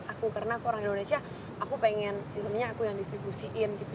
aku karena aku orang indonesia aku pengen maksudnya aku yang distribusikan gitu